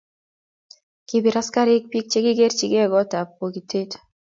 kibir askarik biik che kikikerjigei kootab bokitet